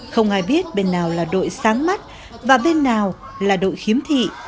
không ai biết bên nào là đội sáng mắt và bên nào là đội khiếm thị